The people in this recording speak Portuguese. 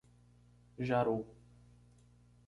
Jaru